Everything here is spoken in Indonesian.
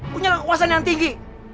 punya kekuasaan yang tinggi